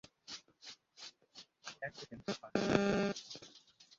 এক second, sir.